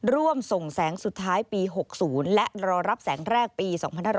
ร่วมส่งแสงสุดท้ายปี๖๐และรอรับแสงแรกปี๒๕๖๐